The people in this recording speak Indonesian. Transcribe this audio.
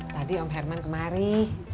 tadi om herman kemari